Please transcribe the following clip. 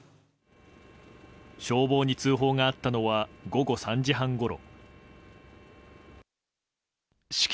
消防に通報があったのは午後３時半ごろ。